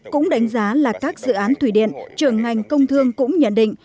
cũng đánh giá là các dự án thủy điện trường ngành công thương cũng nhận định